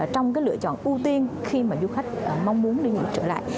trong cái lựa chọn ưu tiên khi mà du khách mong muốn đi du lịch trở lại